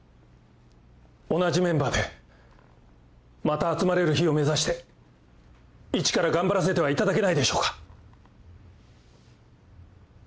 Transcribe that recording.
同じメンバーでまた集まれる日を目指して一から頑張らせてはいただけないでしょうか。